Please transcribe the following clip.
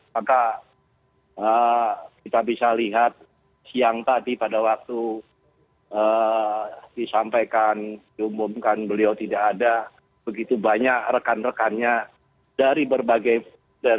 maka kita bisa lihat siang tadi pada waktu disampaikan diumumkan beliau tidak ada begitu banyak rekan rekannya dari berbagai pihak